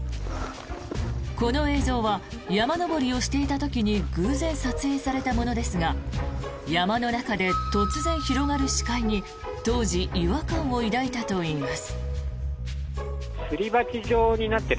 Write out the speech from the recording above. この映像は山登りをしていた時に偶然撮影されたものですが山の中で突然広がる視界に当時、違和感を抱いたといいます。